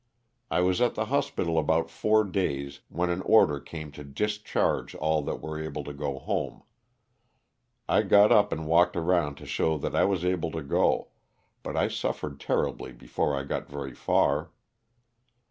I was at the hospital about four days when an order came to discharge all that were able to go home. I got up and walked around to show that I was able to go, but I suf fered terribly before I got very far.